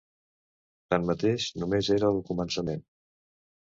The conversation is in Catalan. Tanmateix, només era el començament.